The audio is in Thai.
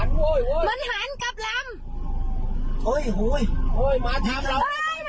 ทำนู้นแล้วทำนู้นแล้ว